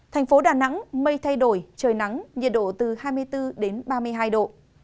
thành phố đà nẵng mây thay đổi trời nắng nhiệt độ từ hai mươi bốn đến ba mươi hai độ